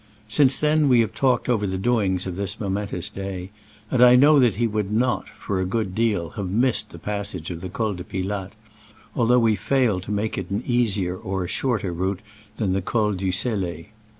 Since then we have talked over the doings of this momentous day, and I know that he would not, for a good deal, have missed the passage of the Col de Pilatte, although we failed to make it an easier or a shorter route than the Col du Sele.